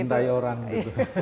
yang dicintai orang gitu